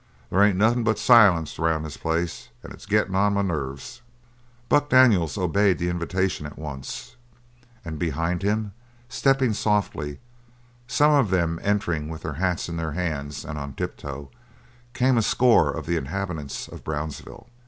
There ain't nothing but silence around this place and it's getting on my nerves." Buck Daniels obeyed the invitation at once, and behind him, stepping softly, some of them entering with their hats in their hands and on tiptoe, came a score of the inhabitants of Brownsville.